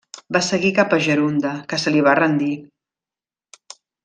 Va seguir cap a Gerunda, que se li va rendir.